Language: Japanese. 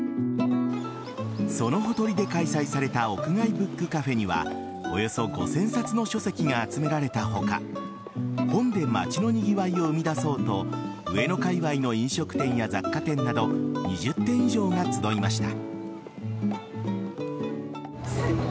そのほとりで開催された屋外ブックカフェにはおよそ５０００冊の書籍が集められた他本で街のにぎわいを生み出そうと上野かいわいの飲食店や雑貨店など２０店以上が集いました。